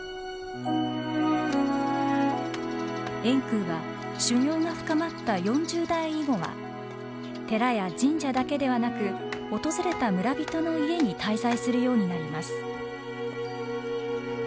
円空は修行が深まった４０代以後は寺や神社だけではなく訪れた村人の家に滞在するようになります。